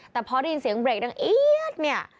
แต่พอได้ยินเสียงเบรกดังเอี๊ยดเนี่ย